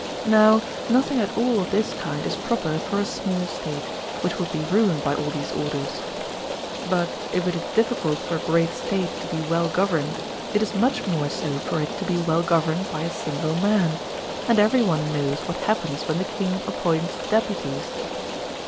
Now, nothing at all of this kind is proper for a small State, which would be ruined by all these orders. But if it is difficult for a great State to be well gov erned, it is much more so for it to be well governed by a single man; and every one knows what happens when the king appoints deputies.